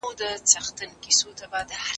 ځینې خلک درمل کاروي.